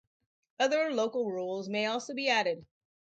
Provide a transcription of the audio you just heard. Other local rules may also be added.